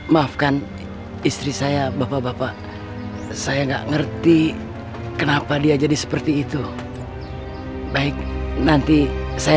maafkan istri saya bapak bapak saya enggak ngerti kenapa dia jadi seperti itu baik nanti saya